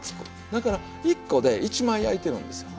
だから１コで１枚焼いてるんですよ。